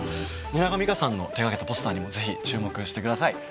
蜷川実花さんの手掛けたポスターにもぜひ注目してください。